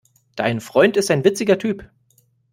Dein Freund ist ein witziger Typ.